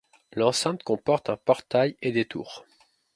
L'enceinte comporte un portail et des tours.